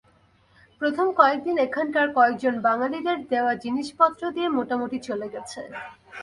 প্রথম কয়েক দিন এখানকার কয়েকজন বাঙালিদের দেওয়া জিনিসপত্র দিয়ে মোটামুটি চলে গেছে।